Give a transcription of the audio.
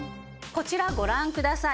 こちらご覧ください。